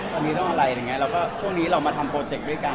ตอนนี้ต้องอะไรช่วงนี้เรามาทำโปรเจคด้วยกัน